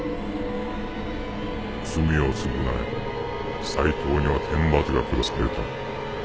「罪をつぐなえ」「斎藤には天罰がくだされた」